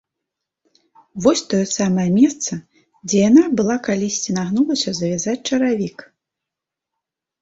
Вось тое самае месца, дзе яна была калісьці нагнулася завязваць чаравік.